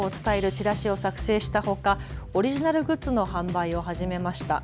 チラシを作成したほかオリジナルグッズの販売を始めました。